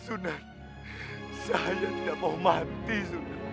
sunan saya tidak mau mati sunan